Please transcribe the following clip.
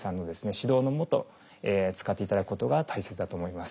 指導のもと使っていただくことが大切だと思います。